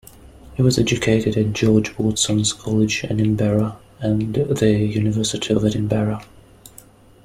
He was educated at George Watson's College, Edinburgh, and the University of Edinburgh.